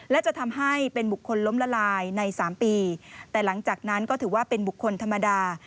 และจะทำให้เป็นบุคคลล้มละลายในสามปีแต่หลังจากนั้นก็ถือว่าเป็นบุคคลธรรมดา